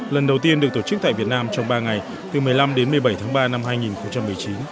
lần đầu tiên được tổ chức tại việt nam trong ba ngày từ một mươi năm đến một mươi bảy tháng ba năm hai nghìn một mươi chín